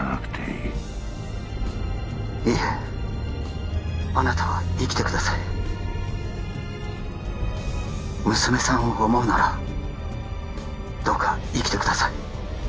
いいえあなたは生きてください娘さんを想うならどうか生きてください